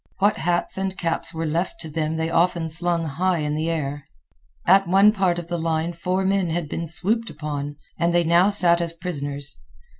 What hats and caps were left to them they often slung high in the air. At one part of the line four men had been swooped upon, and they now sat as prisoners.